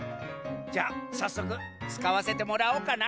じゃあさっそくつかわせてもらおうかな。